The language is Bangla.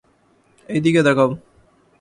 এই দিকে তাকাও।